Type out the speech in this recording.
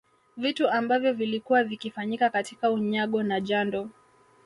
Vitu ambavyo vilikuwa vikifanyika katika unyago na jando